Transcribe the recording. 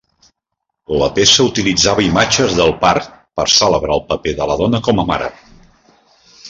La peça utilitzava imatges del part per celebrar el paper de la dona com a mare.